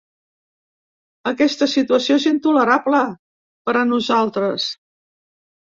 Aquesta situació és intolerable, per a nosaltres.